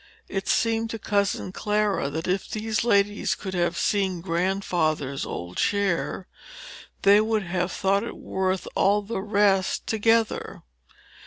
It seemed to cousin Clara that if these ladies could have seen Grandfather's old chair, they would have thought it worth all the rest together.